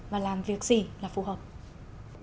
và làm việc gì là phù hợp